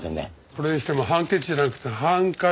それにしてもハンケチじゃなくてハンカチ！